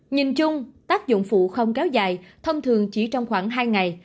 nhìn chung tác dụng phụ không kéo dài thông thường chỉ trong khoảng hai ngày